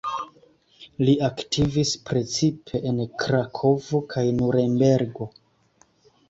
Li aktivis precipe en Krakovo kaj Nurenbergo.